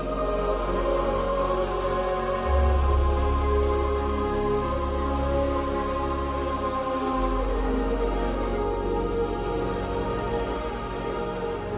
โปรดติดตามตอนต่อไป